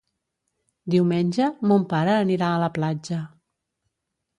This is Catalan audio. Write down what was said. Diumenge mon pare anirà a la platja.